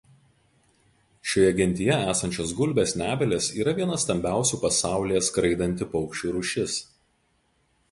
Šioje gentyje esančios gulbės nebylės yra viena stambiausių pasaulyje skraidanti paukščių rūšis.